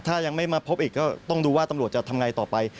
ถ้ายังไม่มาพบอีกก็ต้องดูว่าตำรวจจะทำไงต่อไป